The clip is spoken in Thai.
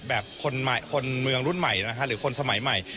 แบบคนเมืองรุ่นใหม่นะคะหรือคนสมัยใหม่